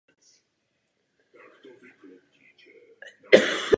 Musí zaujmout vedoucí pozici v reformaci našeho finančního systému.